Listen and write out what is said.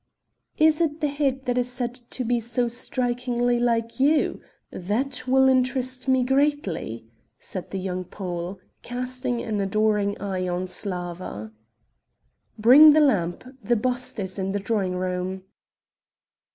"Is it the head that is said to be so strikingly like you? that will interest me greatly," said the young Pole, casting an adoring eye on Slawa. "Bring the lamp, the bust is in the drawing room."